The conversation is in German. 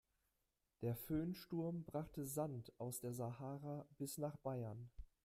Der Föhnsturm brachte Sand aus der Sahara bis nach Bayern.